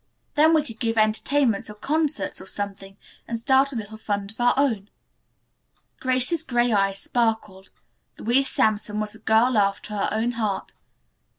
Then we could give entertainments or concerts or something and start a little fund of our own." Grace's gray eyes sparkled. Louise Sampson was a girl after her own heart.